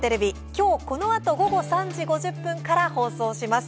今日このあと午後３時５０分から放送します。